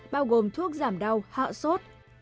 bao gồm thuốc giảm đau họa sốt